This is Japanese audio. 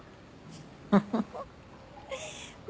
フフフ。